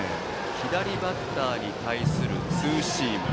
左バッターに対するツーシーム。